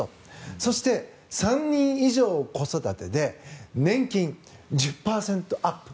そして、３人以上子育てで年金１０％アップ。